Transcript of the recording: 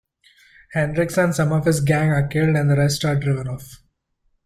Hendricks and some of his gang are killed, and the rest are driven off.